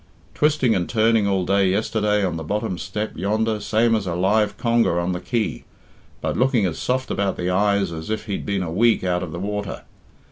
Twisting and turning all day yesterday on the bottom step yonder same as a live conger on the quay, but looking as soft about the eyes as if he'd been a week out of the water.